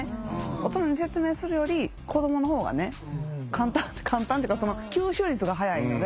大人に説明するより子どもの方がね簡単というか吸収率が早いので。